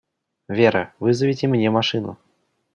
Вера, вызовите мне машину.